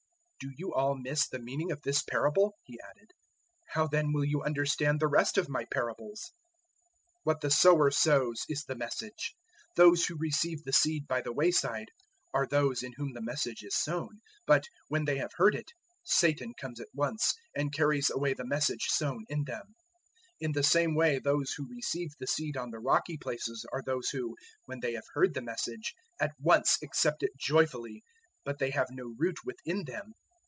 '" 004:013 "Do you all miss the meaning of this parable?" He added; "how then will you understand the rest of my parables?" 004:014 "What the sower sows is the Message. 004:015 Those who receive the seed by the way side are those in whom the Message is sown, but, when they have heard it, Satan comes at once and carries away the Message sown in them. 004:016 In the same way those who receive the seed on the rocky places are those who, when they have heard the Message, at once accept it joyfully, 004:017 but they have no root within them.